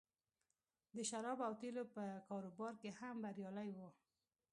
د شرابو او تیلو په کاروبار کې هم بریالی و